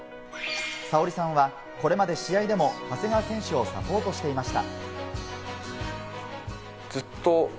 紗欧里さんはこれまで取材でも長谷川選手をサポートしていました。